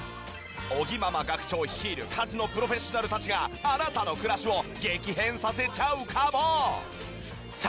尾木ママ学長率いる家事のプロフェッショナルたちがあなたの暮らしを激変させちゃうかも！？